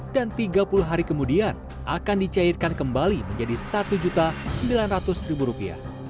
dan tiga puluh hari kemudian akan dicairkan kembali menjadi satu sembilan ratus rupiah